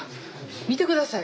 見て下さい。